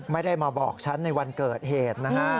ไม่ได้มาบอกฉันในวันเกิดเหตุนะฮะ